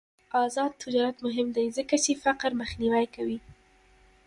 آزاد تجارت مهم دی ځکه چې فقر مخنیوی کوي.